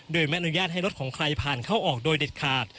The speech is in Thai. โดยไม่อนุญาตให้รถของใครผ่านเข้าออกโดยเด็ดขาด